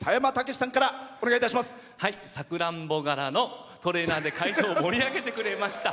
さくらんぼ柄のトレーナーで会場を盛り上げてくれました